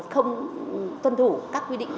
không tuân thủ các quy định